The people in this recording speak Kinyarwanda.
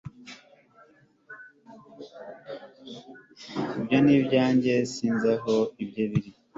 Ibyo ni ibyanjye Sinzi aho ibye biri